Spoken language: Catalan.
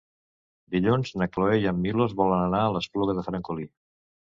Dilluns na Cloè i en Milos volen anar a l'Espluga de Francolí.